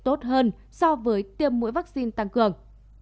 tốt hơn so với tiêm mũi vaccine tăng cường